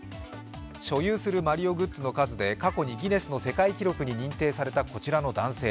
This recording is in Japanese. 所有するマリオグッズの数で過去にギネス世界記録に認定されたこちらの男性。